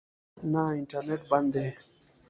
نه، انټرنېټ بند دی